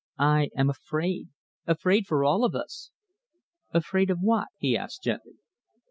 I am afraid afraid for all of us!" "Afraid of what?" he asked gently.